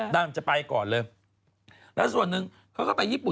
นางจะไปก่อนเลยแล้วส่วนหนึ่งเขาก็ไปญี่ปุ